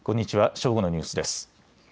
正午のニュースです。